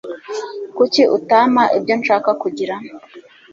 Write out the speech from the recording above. Kuki utampa ibyo nshaka kugira?